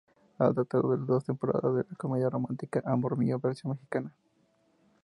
Adaptador de las dos temporadas de la comedia romántica Amor Mío, versión mexicana.